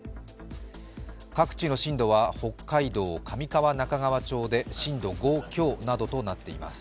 各地の震度は北海道上川中川町で震度５強などとなっています。